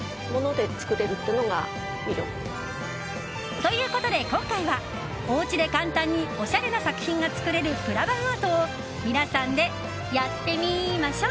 ということで今回はおうちで簡単におしゃれな作品が作れるプラバンアートを皆さんでやってみましょっ！